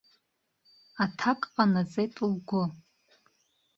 Аҭак ҟанаҵеит лгәы.